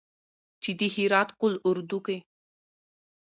چې د هرات قول اردو کې